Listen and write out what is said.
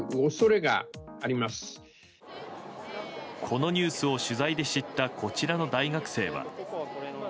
このニュースを取材で知ったこちらの大学生は。